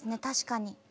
確かに。